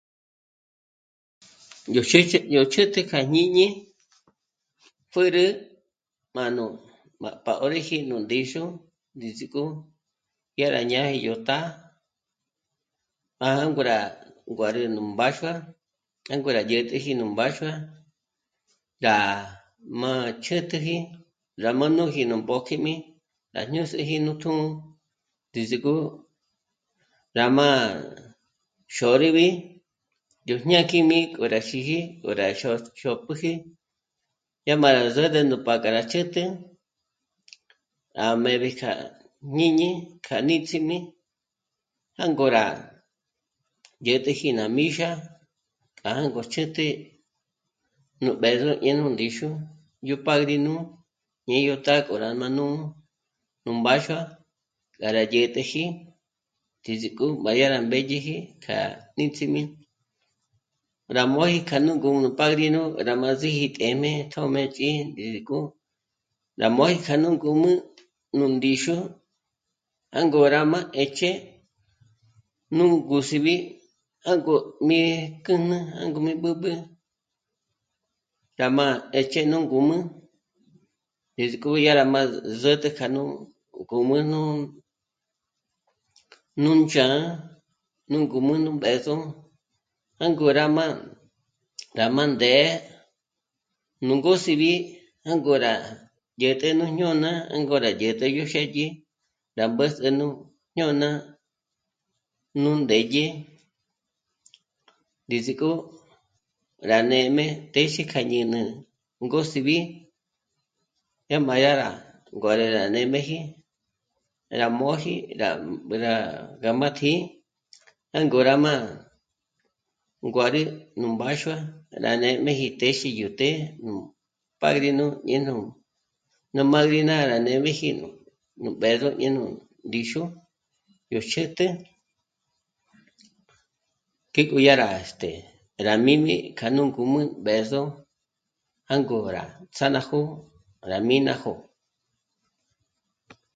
Yó x... yó chjǘt'ü kja jñíñi pjä̀rä m'áno 'àtpágóríji ndíxu ndízik'o yá rá jñáji yó tá'a, pa jângo rá nguárü nú mbáxua k'a ngó rá dyä̀t'äji nú mbáxua rá... máchjüt'üji, rá má nóji nú mbójkjíjmi ná ñêndzeji nú t'ū́'ū ndízik'o rá má xôribi nú jñákjijmi k'o rá xíji, k'o rá xôt'pjüji yá má rá zǚrü nú k'a rá chjǘt'ü rá m'éb'i kja jñíñi k'a níts'imi jângo rá dyä̀t'äji ná míxa k'a jângo chjǘt'ü nú b'ë́zo ñe nú ndíxu yó pádrino ñé yó tá'a k'o rá má'a nú mbáxua k'a rá dyä̀t'äji ndíziko má dyá mbédyeji k'a níts'imi, rá móji k'a nú... nú pádrino rá má síji téjme, nú tjö́mëch'i ndízik'o rá móji kja nú ngǔm'ü nú ndíxu jângo rá má 'éch'e nú ngùsib'i jângo mí kä̀jnä jângo mí b'ǚb'ü, rá má 'éch'e nú ngǔm'ü ndízik'o dya rá zǜtü kja nú ngǔm'ü, gú mǜnü, nú ndzhá'a, nú ngǔm'ü nú b'ë́zo jângo rá má, rá má ndé'e, nú ngùsibi jângo rá dyä̀t'ä nú jñôna, jângo rá dyä̀t'ä yó xë́dyi rá mbǘzü nú jñôna nú ndédye ndízik'o rá nê'me téxi kja ñä́n'ä ngósibi jâmbá dyá rá ngôra nguárü nê'meji rá móji rá... rá... má'tí'i, jângo rá má nguárü nú mbáxua rá nê'meji téxi yó të́'ë nú pádrino ñé nú madrina yá rá nê'meji nú b'ë́zo ñé nú ndíxu yó xä̀tä ngéko dyá rá... este... rá míjmi k'a nú ngǔm'ü b'ë́zo jângo rá ts'á 'a ná jó'o rá mí ná jó'o